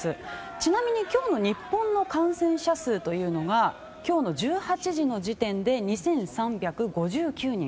ちなみに今日の日本の感染者数というのが今日の１８時の時点で２３５９人。